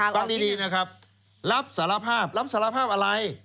ฟังดีนะครับรับสารภาพรับสารภาพอะไร